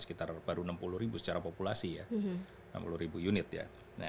sekitar baru rp enam puluh secara populasi ya enam puluh unit ya